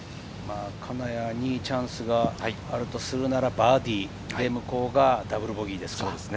金谷にチャンスがあるとするならバーディー、向こうがダブルボギーですか。